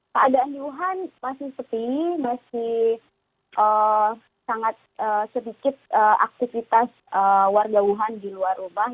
keadaan di wuhan masih sepi masih sangat sedikit aktivitas warga wuhan di luar rumah